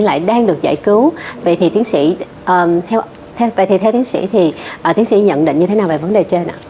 lại đang được giải cứu vậy thì tiến sĩ thì tiến sĩ nhận định như thế nào về vấn đề trên ạ